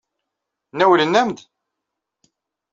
Nawlen-am-d?